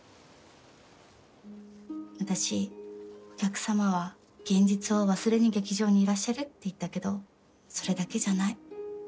私お客様は現実を忘れに劇場にいらっしゃるって言ったけどそれだけじゃない。